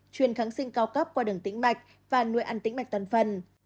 truyền kháng sinh cao cấp qua đường tĩnh mạch và nuôi ăn tĩnh mạch toàn phần